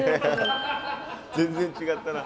全然違ったな。